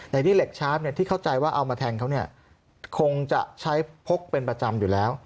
ในที่เหล็กชาร์ฟที่เข้าใจว่าเอามาแทงเขาคงจะใช้พกเป็นประจำอยู่แล้ว